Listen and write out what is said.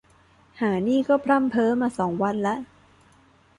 ห่านี่ก็พร่ำเพ้อมาสองวันละ